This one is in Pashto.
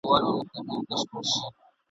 څوک چي له علم سره دښمن دی ..